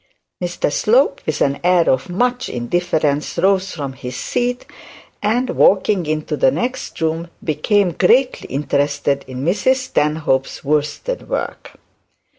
Mr Slope, with an air of much indifference, rose from his seat, and, walking into the next room, became greatly interested in Mrs Stanhope's worsted work.